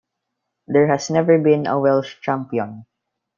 There has never been a Welsh champion.